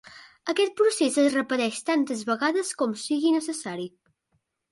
Aquest procés es repeteix tantes vegades com sigui necessari.